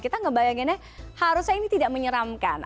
kita ngebayanginnya harusnya ini tidak menyeramkan